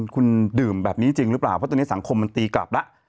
คุณดื่มแบบนี้จริงหรือเปล่าเพราะตอนนี้สังคมมันตีกลับแล้ว